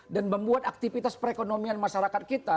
dan membuat aktivitas perekonomian masyarakat kita